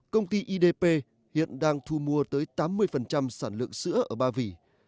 công ty idp hiện đang thu mua tới tám mươi sản lượng sữa ở ba vị